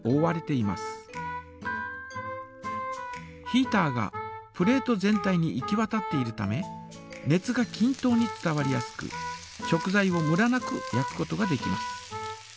ヒータがプレート全体に行きわたっているため熱がきん等に伝わりやすく食材をムラなく焼くことができます。